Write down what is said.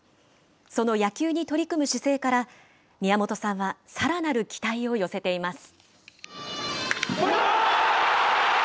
その野球に取り組む姿勢から、宮本さんはさらなる期待を寄せています。